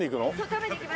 食べに行きます。